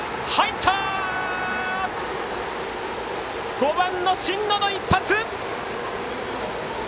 ５番の新野の一発！